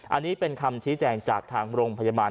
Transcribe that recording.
อันนี้เป็นคำชี้แจงจากทางโรงพยาบาล